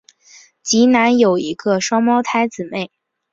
基南有一个双胞胎姊妹。